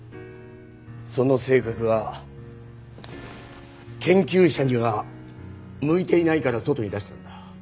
その性格が研究者には向いていないから外へ出したんだ。